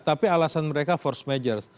tapi alasan mereka force majors